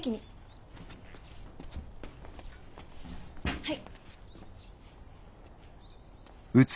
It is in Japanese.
はい。